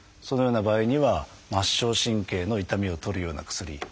そのような場合には末梢神経の痛みを取るような薬。